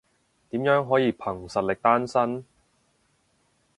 點樣可以憑實力單身？